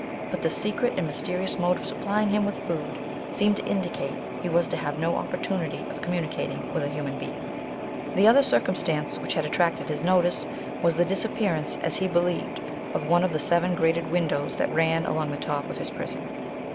But the secret and mysterious mode of supplying him with food, seemed to indicate he was to have no oppor tunity of communicating with a hu man being. The other circumstance which had attracted his notice, was the disap pearance, as he believed, of one of the seven grated windows that ran alonjr the top of his prison.